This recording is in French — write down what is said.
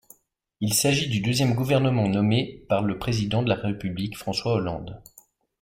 Il s'agit du deuxième gouvernement nommé par le président de la République François Hollande.